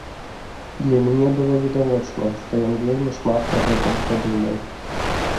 Для мяне было відавочна, што ён вельмі шмат пра гэта падумаў.